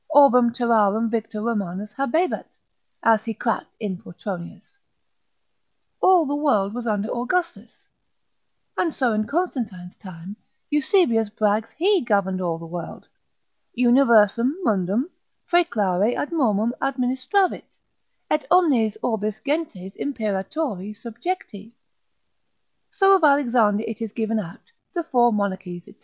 Orbem terrarum victor Romanus habebat, as he cracked in Petronius, all the world was under Augustus: and so in Constantine's time, Eusebius brags he governed all the world, universum mundum praeclare admodum administravit,—et omnes orbis gentes Imperatori subjecti: so of Alexander it is given out, the four monarchies, &c.